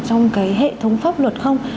trong cái hệ thống pháp luật không